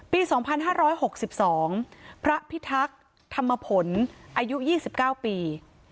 ปีสองพันห้าร้อยหกสิบสองพระพิทักษ์ธรรมพลอายุยี่สิบเก้าปี